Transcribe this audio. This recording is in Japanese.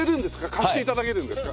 貸して頂けるんですか？